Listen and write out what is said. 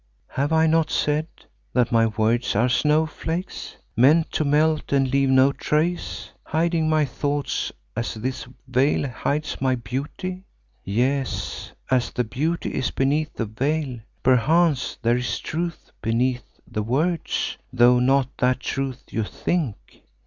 "Have I not said that my words are snowflakes, meant to melt and leave no trace, hiding my thoughts as this veil hides my beauty? Yet as the beauty is beneath the veil, perchance there is truth beneath the words, though not that truth you think.